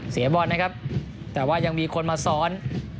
เสียบอลนะครับแต่ว่ายังมีคนมาซ้อน